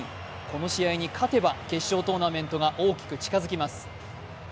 この試合に勝てば決勝トーナメントが大きく近づきます。